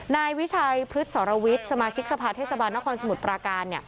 นายวิชัยพฤษสรวิทย์สมาชิกสภาเทศบาลนครสมุทรปราการ